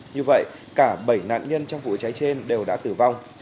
như vậy cả bảy nạn nhân trong vụ cháy trên đều đã tử vong